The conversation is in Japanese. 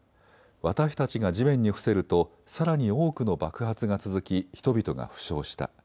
私たちが地面に伏せるとさらに多くの爆発が続き人々が負傷した。